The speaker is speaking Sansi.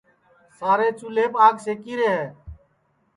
سارے چُولھیپ آگ سیکی رے ہے